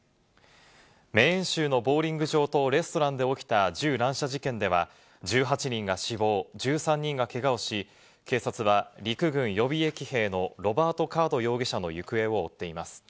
メーン州のボウリング場とレストランで起きた銃乱射事件では１８人が死亡、１３人がけがをし、警察は陸軍予備役兵のロバート・カード容疑者の行方を追っています。